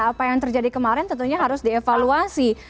apa yang terjadi kemarin tentunya harus dievaluasi